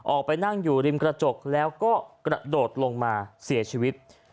ออกไปนั่งอยู่ริมกระจกแล้วก็กระโดดลงมาเสียชีวิต